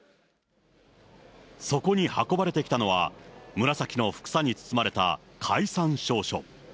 そこに運ばれてきたのは、紫のふくさに包まれた解散詔書。